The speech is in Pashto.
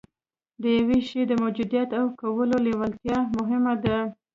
د يوه شي د موجوديت او کولو لېوالتيا مهمه ده.